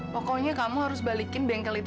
pokoknya kamu harus balikin bengkel itu